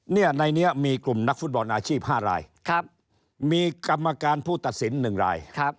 ในนี้มีกลุ่มนักฟุตบอลอาชีพ๕รายมีกรรมการผู้ตัดสิน๑ราย